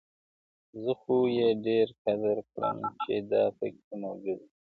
• زه خو يې ډېر قدر كړم چي دا پكــــي مــوجـــوده وي.